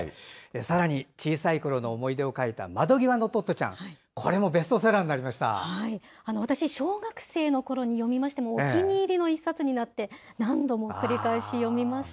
さらに、小さいころの思い出を書いた、窓ぎわのトットちゃん、こ私、小学生のころに読みまして、もうお気に入りの一冊になって、何度も繰り返し読みました。